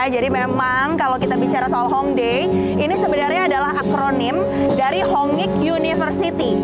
jadi memang kalau kita bicara soal hongdae ini sebenarnya adalah akronim dari hongik university